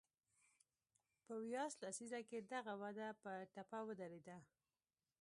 په ویاس لسیزه کې دغه وده په ټپه ودرېده.